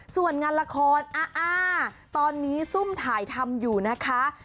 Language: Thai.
ส่วนงานละครตอนนี้ซุ่มถ่ายทำอยู่นะคะ